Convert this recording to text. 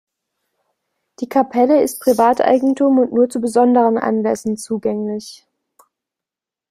Die Kapelle ist Privateigentum und nur zu besonderen Anlässen zugänglich.